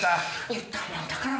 言ったもんだから。